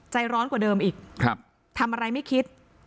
ใจร้อนกว่าเดิมอีกทำอะไรไม่คิด